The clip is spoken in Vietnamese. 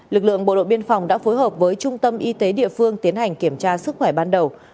lực lượng bộ đội biên phòng đã phối hợp với trung tâm y tế địa phương tiến hành kiểm tra sức khỏe ban đầu